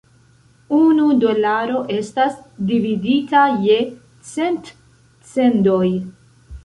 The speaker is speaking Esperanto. Unu dolaro estas dividita je cent "cendoj".